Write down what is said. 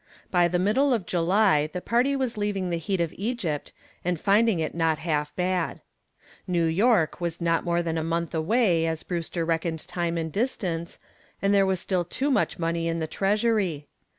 By the middle of July the party was leaving the heat of Egypt and finding it not half bad. New York was not more than a month away as Brewster reckoned time and distance, and there was still too much money in the treasury.